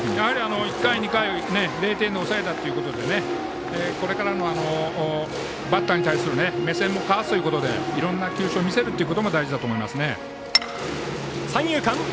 １回、２回を０点に抑えたということでこれからのバッターに対する目線も変わるのでかわすということでいろんな球種を見せることも大事だと思いますね。